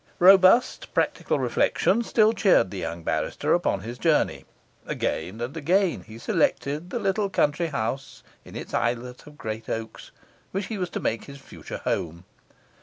Robust, practical reflection still cheered the young barrister upon his journey. Again and again he selected the little country house in its islet of great oaks, which he was to make his future home.